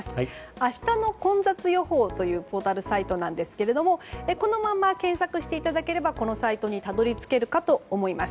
明日の混雑予報というポータルサイトなんですけれどもこのまま検索していただければこのサイトにたどり着けるかと思います。